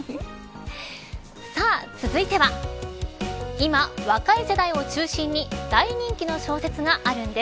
続いては今、若い世代を中心に大人気の小説があるんです。